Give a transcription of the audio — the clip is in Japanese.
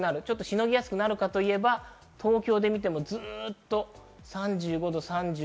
ちょっとしのぎやすくなるかといえば、東京で見ても、ずっと３５度、３４度など。